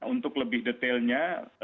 untuk lebih detailnya